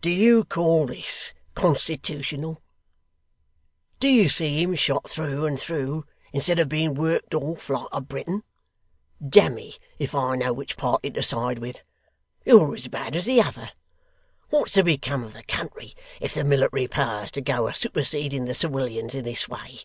Do you call THIS constitootional? Do you see him shot through and through instead of being worked off like a Briton? Damme, if I know which party to side with. You're as bad as the other. What's to become of the country if the military power's to go a superseding the ciwilians in this way?